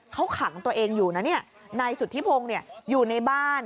เขาขังตัวเองอยู่นะเนี่ยนายสุธิพงศ์เนี่ยอยู่ในบ้าน